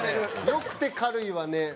良くて「軽いわね」。